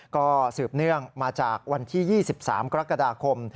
ก็สืบเนื่องมาจากวันที่๒๓กรกฎาคม